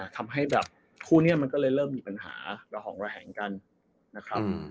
ทำให้แบบคู่นี้มันก็เลยเริ่มมีปัญหาระห่องระแหงกันนะครับ